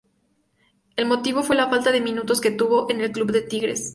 El motivo fue la falta de minutos que tuvo en el Club de Tigres.